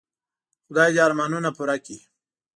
خدای دي ارمانونه پوره کړه .